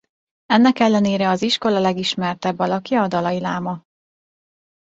Ennek ellenére az iskola legismertebb alakja a dalai láma.